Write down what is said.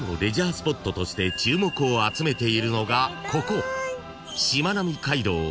スポットとして注目を集めているのがここ］